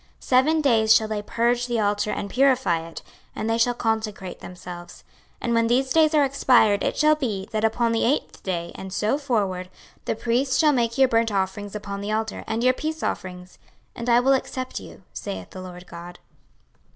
26:043:026 Seven days shall they purge the altar and purify it; and they shall consecrate themselves. 26:043:027 And when these days are expired, it shall be, that upon the eighth day, and so forward, the priests shall make your burnt offerings upon the altar, and your peace offerings; and I will accept you, saith the Lord GOD.